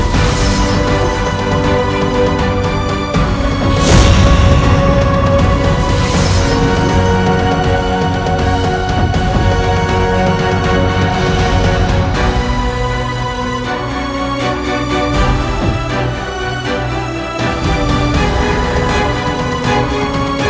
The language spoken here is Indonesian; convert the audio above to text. terima kasih bapak